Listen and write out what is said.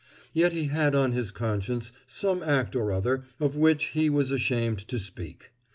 Yet he had on his conscience some act or other of which he was ashamed to speak.